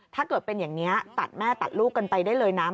ถ้าเกิดเป็นอย่างนี้ตัดแม่ตัดลูกกันไปได้เลยนะ